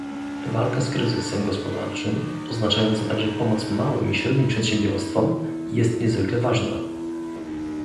Walka z kryzysem gospodarczym, oznaczająca także pomoc małym i średnim przedsiębiorstwom, jest niezwykle ważna